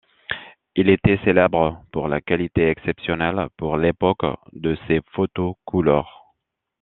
Il était célèbre pour la qualité exceptionnelle, pour l'époque, de ses photos couleur.